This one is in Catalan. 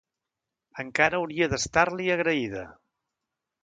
Encara hauria d'estar-li agraïda!